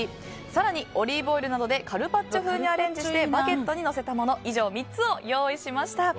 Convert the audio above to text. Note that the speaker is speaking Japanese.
更にオリーブオイルなどでカルパッチョ風にアレンジしてバゲットにのせたもの以上３つを用意しました。